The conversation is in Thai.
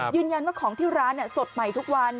ยืนยันว่าของที่ร้านสดใหม่ทุกวัน